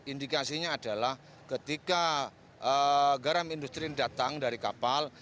indikasinya adalah ketika garam industri ini datang dari kapal